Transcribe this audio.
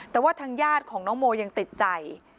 แต่ว่าทางญาติของน้องโมยังติดใจ